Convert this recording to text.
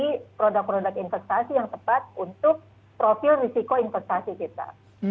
dan juga memiliki produk produk investasi yang tepat untuk profil risiko investasi kita